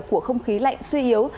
của không khí lạnh suy yếu